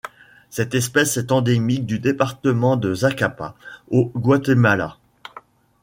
Cette espèce est endémique du département de Zacapa au Guatemala.